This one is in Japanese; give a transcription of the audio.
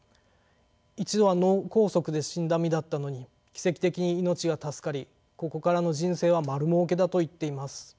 一度は脳梗塞で死んだ身だったのに奇跡的に命が助かりここからの人生は丸儲けだと言っています。